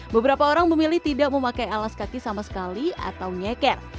beberapa orang memilih tidak memakai alas kaki sama sekali atau nyeker